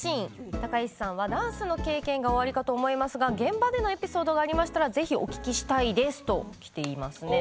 高石さんはダンスの経験がおありだと思いますが現場でのエピソードがございましたらぜひお聞きしたいですということです。